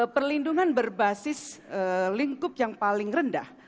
perlindungan berbasis lingkup yang paling rendah